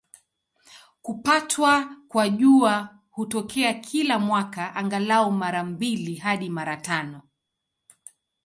Kupatwa kwa Jua hutokea kila mwaka, angalau mara mbili hadi mara tano.